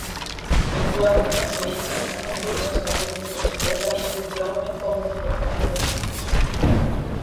Actualment les salines estan en un mal estat de conservació tant estructuralment com arquitectònicament.